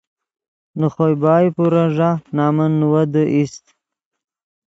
نے خوئے بائے پورن ݱا نمن نیویدے اِیست